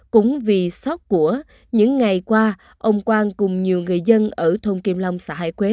cũng vì sót của những ngày qua ông quang cùng nhiều người dân ở thôn kim long xã hải quế